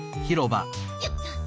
よっと。